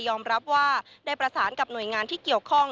รับว่าได้ประสานกับหน่วยงานที่เกี่ยวข้อง